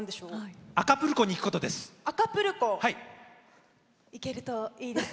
アカプルコに行くことです。